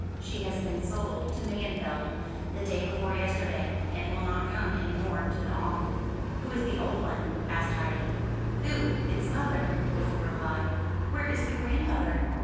She has been sold to Mayenfeld, the day before yesterday, and will not come any more to the Aim.'' '*Who is the old one?" asked Heidi. *Tooh! its mother," was the reply. '*Where is the grandmother?"